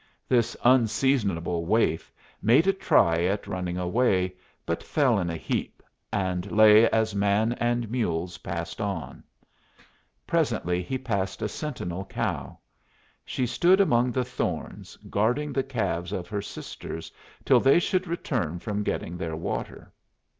This unseasonable waif made a try at running away, but fell in a heap, and lay as man and mules passed on. Presently he passed a sentinel cow. She stood among the thorns guarding the calves of her sisters till they should return from getting their water.